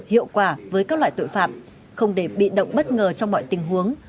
hiệu quả với các loại tội phạm không để bị động bất ngờ trong mọi tình huống